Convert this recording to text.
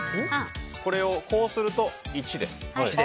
これをこうすると、１です。